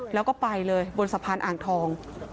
แล้วก็ไปเลยบนสะพานอ่างทอง